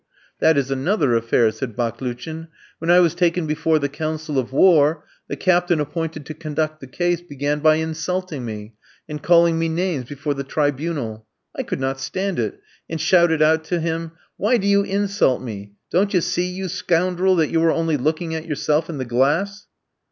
"That is another affair," said Baklouchin. "When I was taken before the Council of War, the captain appointed to conduct the case began by insulting me, and calling me names before the Tribunal. I could not stand it, and shouted out to him: 'Why do you insult me? Don't you see, you scoundrel! that you are only looking at yourself in the glass?'